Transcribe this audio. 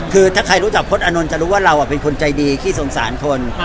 คือถ้าใครรู้จักพลตอานนท์จะรู้ว่าเราเป็นคนใจดีขี้สงสารคน